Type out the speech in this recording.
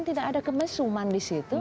tidak ada kemesuman di situ